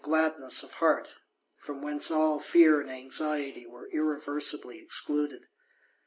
^^»iess of heart, fi om whence all fear and anxiety were l/^'^ereibly excluded.